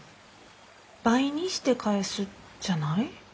「倍」にして返すじゃない？